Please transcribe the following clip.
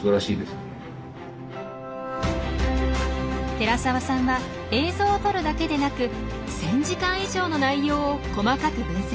寺沢さんは映像を撮るだけでなく１，０００時間以上の内容を細かく分析。